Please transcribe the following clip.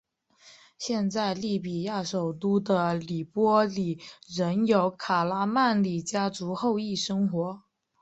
现在利比亚首都的黎波里仍有卡拉曼里家族后裔生活。